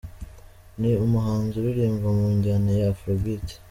Ni umuhanzi uririmba mu njyana ya Afro-Beat.